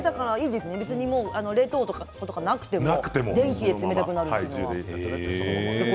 冷凍庫とかなくても電気で冷たくなるからいいですね。